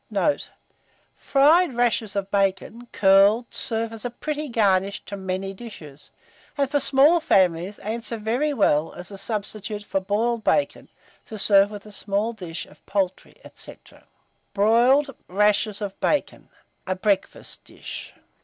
Note. Fried rashers of bacon, curled, serve as a pretty garnish to many dishes; and, for small families, answer very well as a substitute for boiled bacon, to serve with a small dish of poultry, &c. BROILED RASHERS OF BACON (a Breakfast Dish).